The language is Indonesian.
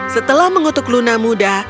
setelah mengutuk luna muda